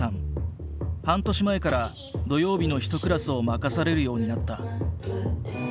半年前から土曜日の１クラスを任されるようになった。